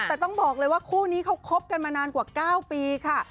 แต่ต้องบอกเลยว่าคู่นี้เขาคบกันมานานกว่า๙ปีค่ะ